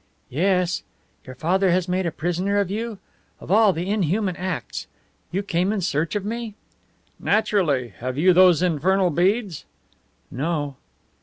"Yes. Your father has made a prisoner of you? Of all the inhuman acts! You came in search of me?" "Naturally. Have you those infernal beads?" "No."